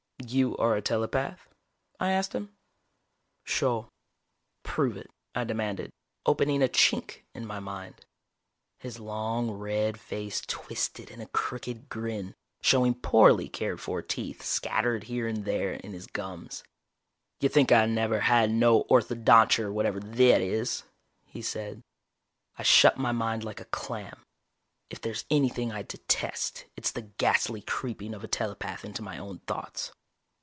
"You are a telepath?" I asked him. "Shoah." "Prove it," I demanded, opening a chink in my mind. His long red face twisted in a crooked grin, showing poorly cared for teeth scattered here and there in his gums. "Yo' think I never had no orthodonture, whatever thet is," he said. I shut my mind like a clam. If there's anything I detest, it's the ghastly creeping of a telepath into my own thoughts.